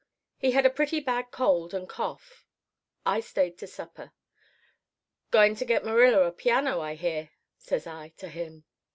He had a pretty bad cold and cough. I stayed to supper. "'Going to get Marilla a piano, I hear,' says I to him.